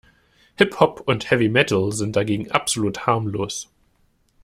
Hip-Hop und Heavy Metal sind dagegen absolut harmlos.